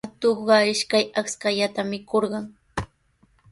Atuqqa ishkay ashkallaata mikurqan.